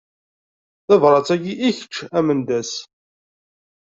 Tabrat-agi i kečč a Mendas.